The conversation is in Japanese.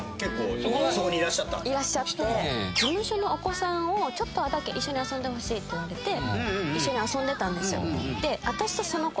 「そこにいらっしゃった」「事務所のお子さんちょっとだけ一緒に遊んでほしいと言われて一緒に遊んでたんですよ」